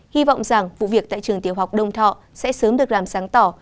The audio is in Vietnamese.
hy vọng rằng vụ việc tại trường tiểu học đông thọ sẽ sớm được làm sáng tỏ